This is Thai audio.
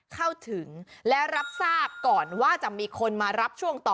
เข้าถึงและรับทราบก่อนว่าจะมีคนมารับช่วงต่อ